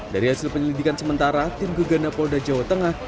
dari hasil penyelidikan sementara tim gegana polda jawa tengah